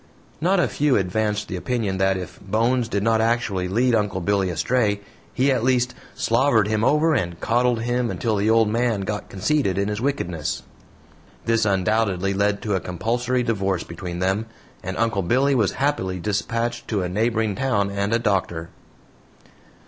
Not a few advanced the opinion that if Bones did not actually lead Uncle Billy astray, he at least "slavered him over and coddled him until the old man got conceited in his wickedness." This undoubtedly led to a compulsory divorce between them, and Uncle Billy was happily dispatched to a neighboring town and a doctor.